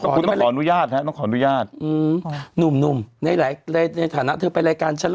พี่หนุ่มขออนุญาตเขาหรือยัง